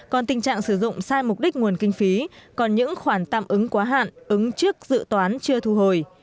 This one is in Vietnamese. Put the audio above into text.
còn tình trạng sử dụng sai mục đích nguồn kinh phí còn những khoản tạm ứng quá hạn ứng trước dự toán chưa thu hồi